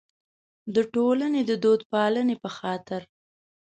د ټولنې د دودپالنې په خاطر.